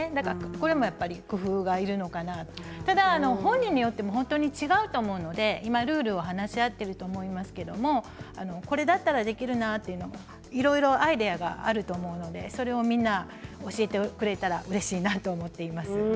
これも工夫がいるのかなとただ本人によっても違うと思うので今、ルールを話し合っていると思いますけどこれだったらできるなといういろいろアイデアがあると思うので、それをみんな教えてくれたらうれしいなと思っています。